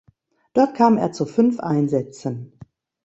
Dort kam er zu fünf Einsätzen.